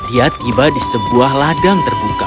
dia tiba di sebuah ladang terbuka